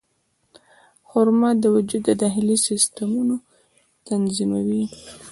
خرما د وجود د داخلي سیستمونو تنظیموي.